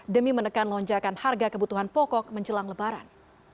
demi menekan lonjakan harga kebutuhan pokok menjelang lebaran